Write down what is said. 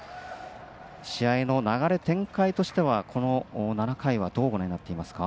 試合の流れ展開としてはこの７回はどうご覧になっていますか？